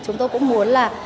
chúng tôi cũng muốn là